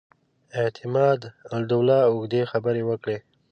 اعتماد الدوله اوږدې خبرې وکړې.